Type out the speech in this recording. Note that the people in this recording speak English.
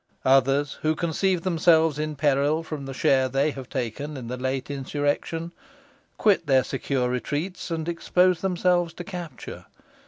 Others, who conceive themselves in peril from the share they have taken in the late insurrection, quit their secure retreats, and expose themselves to capture.